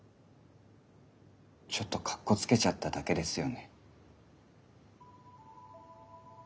ちょっとかっこつけちゃっただけですよね？